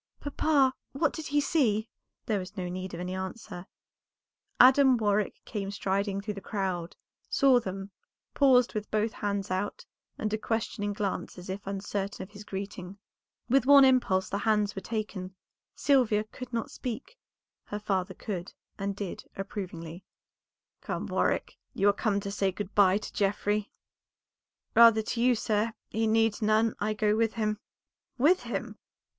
"Papa, what did he see?" There was no need of any answer; Adam Warwick came striding through the crowd, saw them, paused with both hands out, and a questioning glance as if uncertain of his greeting. With one impulse the hands were taken; Sylvia could not speak, her father could, and did approvingly "Welcome, Warwick; you are come to say good by to Geoffrey?" "Rather to you, sir; he needs none, I go with him." "With him!"